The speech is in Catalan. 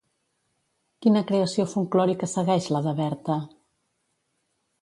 Quina creació folklòrica segueix la de Berta?